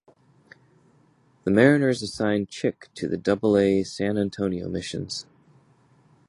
The Mariners assigned Chick to the Double-A San Antonio Missions.